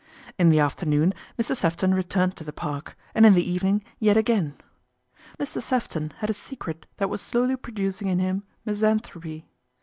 In the after noon Mr. 3efton returned to the Park, and in the evening yet again. Mr. Sefton had a secret that was slowly pro ducing in him misanthropy.